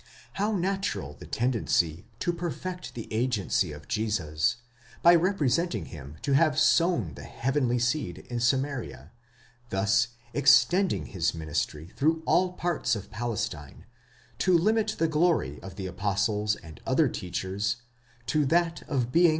How natural the tendency to perfect the agency of Jesus, by representing him to have sown the heavenly seed in Samaria, thus extending his ministry through all parts of Palestine; to limit the glory of the apostles and other teachers to that of being the 16 Lightfoot, p.